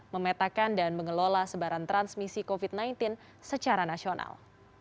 memetakan dan mengelola sebaran transmisi covid sembilan belas secara nasional